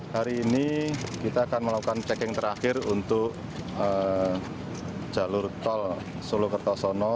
hari ini kita akan melakukan checking terakhir untuk jalur tol solo kertosono